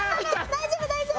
大丈夫大丈夫！